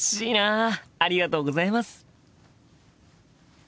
ありがとうございます。